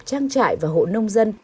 trang trại và hộ nông dân